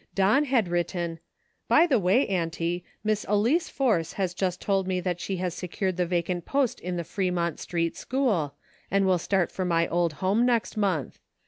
Don had written :" By the way, Auntie, Miss Elice Force has just told me that she has secured the vacant post in the Fremont Street School, and will start for my old home next month.